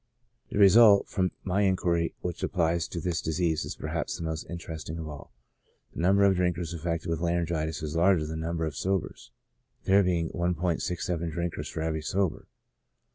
The result, from my inquiry, which applies to this disease is perhaps the most interesting of all. The number of drinkers affected with laryngitis is larger than the number of sobers : there being 1 67 drinkers for every sober.